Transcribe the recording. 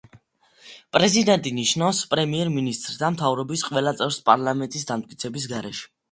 პრეზიდენტი ნიშნავს პრემიერ-მინისტრს და მთავრობის ყველა წევრს, პარლამენტის დამტკიცების გარეშე.